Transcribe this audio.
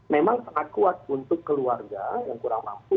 memang sangat kuat untuk keluarga yang kurang mampu